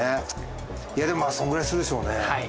まあそんぐらいするでしょうね